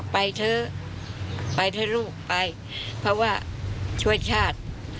ไปเถอะลูกไปเพราะว่าช่วยชาติ